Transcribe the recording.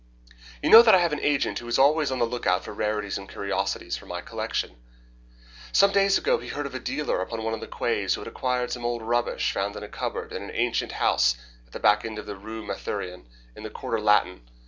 You know that I have an agent who is always on the look out for rarities and curiosities for my collection. Some days ago he heard of a dealer upon one of the Quais who had acquired some old rubbish found in a cupboard in an ancient house at the back of the Rue Mathurin, in the Quartier Latin.